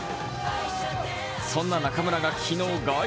そんな中村が昨日、凱旋。